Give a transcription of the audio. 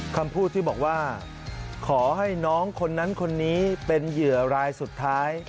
คำพูดที่บอกว่าขอให้น้องคนนั้นคนนี้เป็นเหยื่อรายสุดท้าย